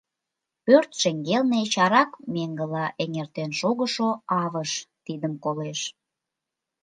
Пӧрт шеҥгелне чарак меҥгыла эҥертен шогышо Авыш тидым колеш.